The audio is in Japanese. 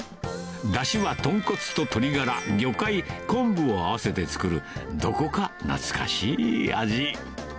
だしは豚骨と鶏がら、魚介、昆布を合わせて作る、どこか懐かしい味。